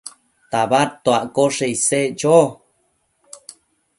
tabadtuaccoshe isec cho